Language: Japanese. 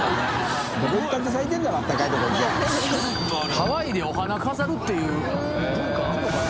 ハワイでお花飾るっていう文化あるのかな？